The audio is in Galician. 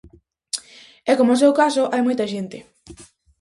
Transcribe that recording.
E coma o seu caso hai moita xente.